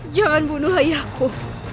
jangan bunuh ayahku